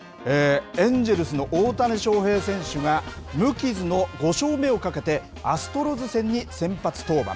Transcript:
エンジェルスの大谷翔平選手が無傷の５勝目をかけて、アストロズ戦に先発登板。